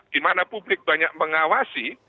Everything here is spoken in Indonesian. di mana publik banyak mengawasi